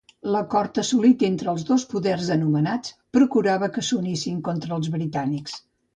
L'acord assolit entre els dos poders anomenats, procurava que s'unissin contra els britànics.